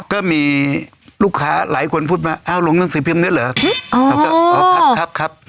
เค้ามีลูกค้าหลายคนพูดมาลงนังสือพิมพ์นี้เหรอ